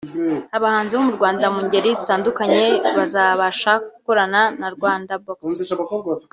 abahanzi bo mu Rwanda mu ngeri zitandukanye bazabasha gukorana na Rwandabox